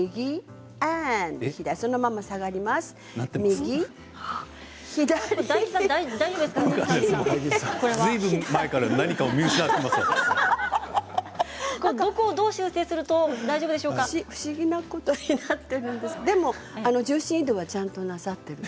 ずいぶん前からどこをどう修正すると不思議なことになっていますが重心移動はちゃんとなさっている。